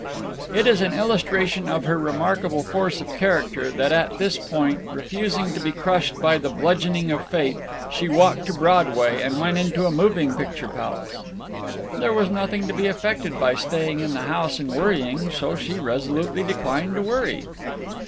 It is an illustration of her remarkable force of character that at this point, refusing to be crushed by the bludgeoning of fate, she walked to Broadway and went into a moving picture palace. There was nothing to be effected by staying in the house and worrying, so she resolutely declined to worry.